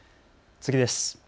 次です。